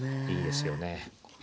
いいですよね。